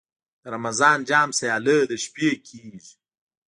د رمضان جام سیالۍ د شپې کیږي.